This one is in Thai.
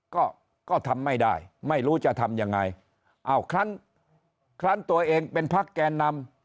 ก็ก็ทำไม่ได้ไม่รู้จะทำยังไงอ้าวคลั้นคลั้นตัวเองเป็นพักแกนนำ